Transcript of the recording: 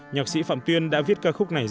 nhạc sĩ phạm tuyên đã viết ca khúc này